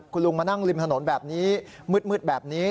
คุณลุงมานั่งริมถนนแบบนี้มืดแบบนี้